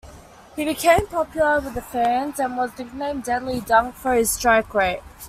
He became popular with the fans and was nicknamed 'Deadly Dunc' for his strike-rate.